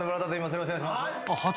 よろしくお願いします。